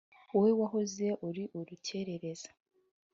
Wowe wahoze uri urukerereza